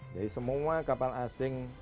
jadi semua kapal asing